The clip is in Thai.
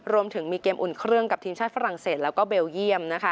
รวมถึงมีเกมอุ่นเครื่องกับทีมชาติฝรั่งเศสแล้วก็เบลเยี่ยมนะคะ